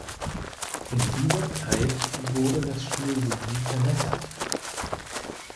In dieser Zeit wurde das Schulwesen verbessert.